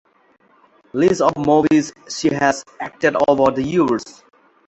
List of movies she has acted over the years.